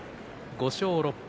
５勝６敗。